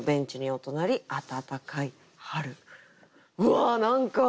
うわ！何か。